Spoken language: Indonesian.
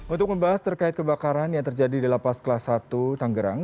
untuk membahas terkait kebakaran yang terjadi di lapas kelas satu tanggerang